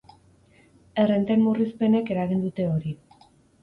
Errenten murrizpenek eragin dute hori.